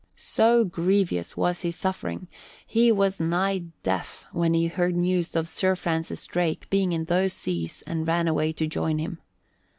So grievous was his suffering, he was nigh death when he heard news of Sir Francis Drake being in those seas and ran away to join him.